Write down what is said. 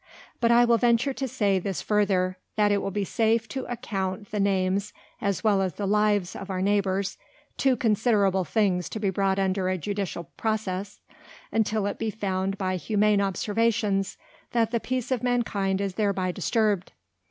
But I will venture to say this further, that it will be safe to account the Names as well as the Lives of our Neighbors; two considerable things to be brought under a Judicial Process, until it be found by Humane Observations that the Peace of Mankind is thereby disturbed.